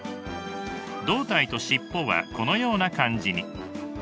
胴体と尻尾はこのような感じに。